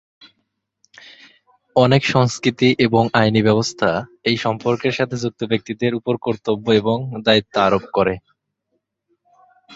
অনেক সংস্কৃতি এবং আইনি ব্যবস্থা এই সম্পর্কের সাথে যুক্ত ব্যক্তিদের উপর কর্তব্য এবং দায়িত্ব আরোপ করে।